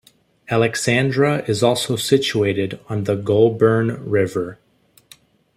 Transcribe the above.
Alexandra is also situated on the Goulburn River.